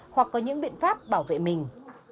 hoặc có những biện pháp bảo vệ mình